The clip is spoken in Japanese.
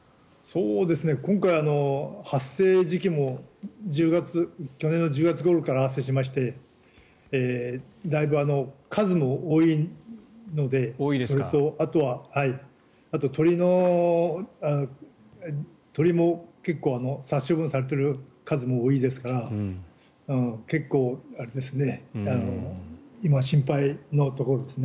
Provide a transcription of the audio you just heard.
今回、発生時期も去年の１０月ごろから発生しましてだいぶ数も多いのでそれと、あとは鳥も結構、殺処分されている数も多いですから結構、ありますね。